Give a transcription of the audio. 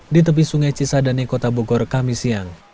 di tepi sungai cisadane kota bogor kami siang